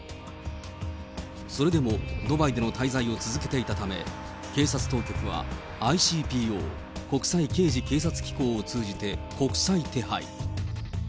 それでもドバイでの滞在を続けていたため、警察当局は、ＩＣＰＯ・国際刑事警察機構を通じて国際手配。